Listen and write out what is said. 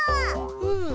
うん。